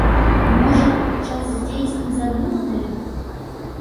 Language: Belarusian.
Можа, час здзейсніць задуманае?